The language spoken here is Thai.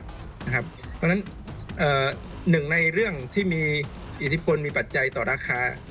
เพราะฉะนั้นหนึ่งในเรื่องที่มีอิทธิพลมีปัจจัยต่อราคา